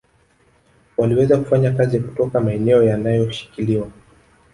Waliweza kufanya kazi kutoka maeneo yanayoshikiliwa